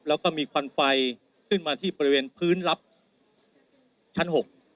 แล้วก็มีควันไฟขึ้นมาที่บริเวณพื้นลับชั้น๖